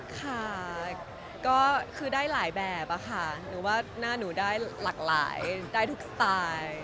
ค่ะก็คือได้หลายแบบค่ะหนูว่าหน้าหนูได้หลากหลายได้ทุกสไตล์